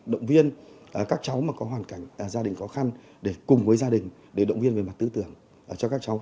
động viên các cháu mà có hoàn cảnh gia đình khó khăn để cùng với gia đình để động viên về mặt tư tưởng cho các cháu